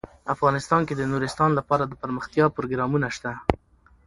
افغانستان کې د نورستان لپاره دپرمختیا پروګرامونه شته.